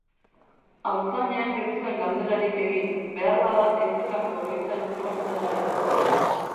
Haurtzainak ez zuen galderarik egin, beharbada ez zelako oroitzen nor zen ere.